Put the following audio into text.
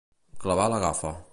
Clavar la gafa.